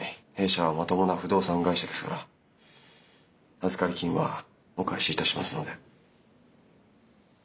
弊社はまともな不動産会社ですから預かり金はお返しいたしますので。